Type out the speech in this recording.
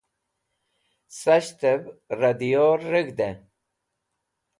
Sashtev Ra Diyor Reg̃hde